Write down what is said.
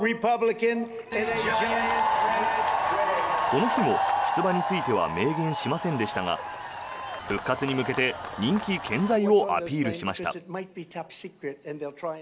この日も出馬については明言しませんでしたが復活に向けて人気健在をアピールしました。